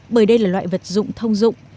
bởi đây là loại vật dụng thông dụng